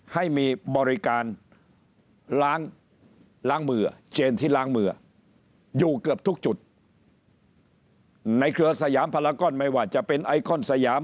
ให้มีบริการล้างล้างมือเจนที่ล้างมืออยู่เกือบทุกจุดในเครือสยามพลาก้อนไม่ว่าจะเป็นไอคอนสยาม